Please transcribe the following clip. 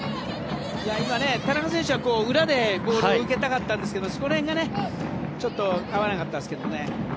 今、田中選手は裏でボールを受けたかったんですけどそこら辺がちょっと合わなかったですけどね。